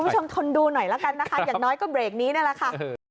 ทนดูหน่อยละกันนะคะอย่างน้อยก็เบรกนี้นี่แหละค่ะ